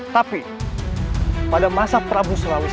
tapi pada masa prabu sulawesi selatan